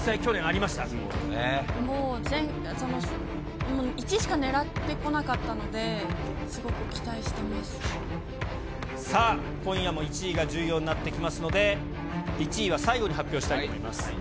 もう、１位しか狙ってこなかさあ、今夜も１位が重要になってきますので、１位は最後に発表したいと思います。